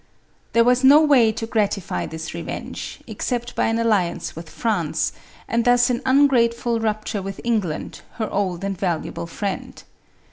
There was no way to gratify this revenge, except by an alliance with France, and thus an ungrateful rupture with England, her old and valuable friend.